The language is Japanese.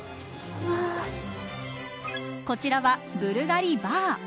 こちらはブルガリバー。